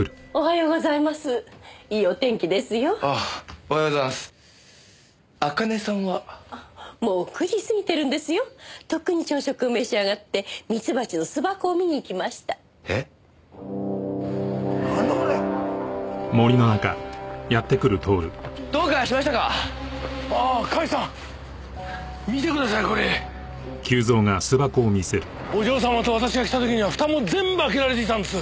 お嬢様と私が来た時には蓋も全部開けられていたんです。